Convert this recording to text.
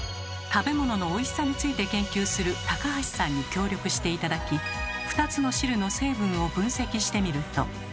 食べ物のおいしさについて研究する橋さんに協力して頂き２つの汁の成分を分析してみると。